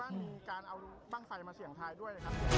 โปรดติดตามตอนต่อไป